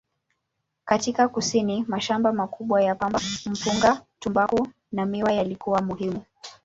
Katika kusini, mashamba makubwa ya pamba, mpunga, tumbaku na miwa yalikuwa muhimu.